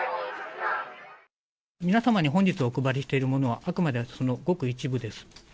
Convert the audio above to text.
皆様に本日お配りしているものは、あくまでそのごく一部です。